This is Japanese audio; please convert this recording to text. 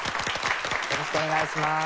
よろしくお願いします。